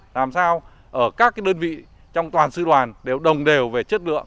làm sao ở các đơn vị trong toàn sư đoàn đều đồng đều về chất lượng